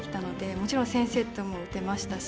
もちろん先生とも打てましたし